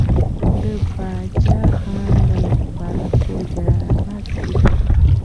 د باچا خان مقبره په جلال اباد کې ده